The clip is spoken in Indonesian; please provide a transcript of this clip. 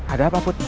ada apa put